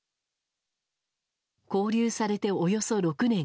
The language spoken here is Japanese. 勾留されておよそ６年。